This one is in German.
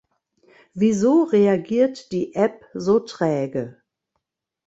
Wieso reagiert die App so träge?